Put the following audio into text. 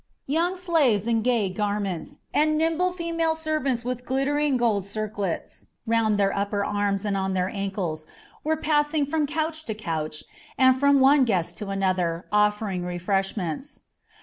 Young slaves in gay garments, and nimble female servants with glittering gold circlets round their upper arms and on their ankles, were passing from couch to couch, and from one guest to another, offering refreshments.